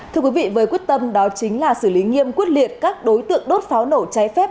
thưa quý vị với quyết tâm đó chính là xử lý nghiêm quyết liệt các đối tượng đốt pháo nổ cháy phép